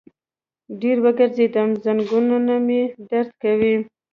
ډېر وګرځیدم، زنګنونه مې درد کوي